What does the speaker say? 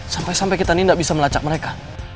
sampai sampai kita ini tidak bisa melacak mereka